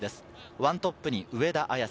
１トップに上田綺世。